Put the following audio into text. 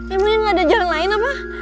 emang gak ada jalan lain apa